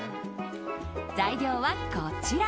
材料はこちら。